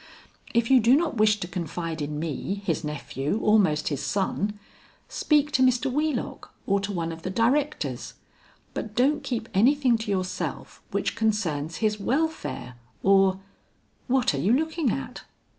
If you do not wish to confide in me, his nephew almost his son, speak to Mr. Wheelock or to one of the directors, but don't keep anything to yourself which concerns his welfare or What are you looking at?"